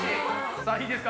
さあいいですか？